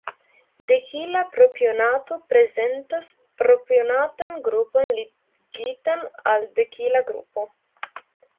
Dekila propionato prezentas propionatan grupon ligitan al dekila grupo.